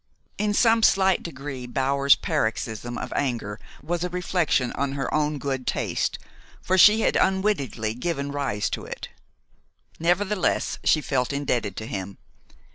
In some slight degree Bower's paroxysm of anger was a reflection on her own good taste, for she had unwittingly given rise to it. Nevertheless, she felt indebted to him.